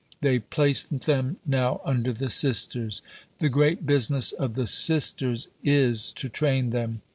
They place them now under the Sisters. The great business of the Sisters is to train them.